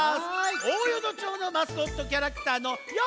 大淀町のマスコットキャラクターのよ